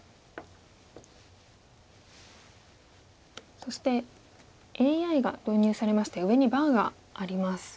そしてＡＩが導入されまして上にバーがあります。